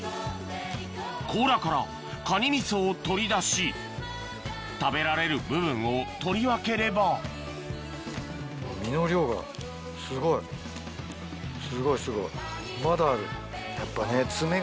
甲羅からカニ味噌を取り出し食べられる部分を取り分ければすごいすごい。